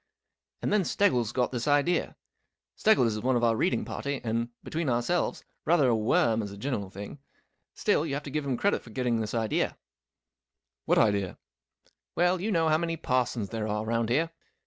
And then Steggles got this idea. Steggles is one of our reading party, and, between ourselves, rather a worm as a general thing. Still, you have to give him credit for getting this idea/* 11 What idea ?"" Well, you know how many parsons there are round about here.